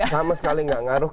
sama sekali tidak mengaruh